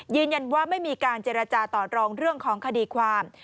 ยืนยันว่าไม่มีการเจรจาต่อรองเรื่องของคดีความ